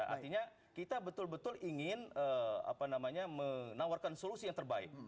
artinya kita betul betul ingin menawarkan solusi yang terbaik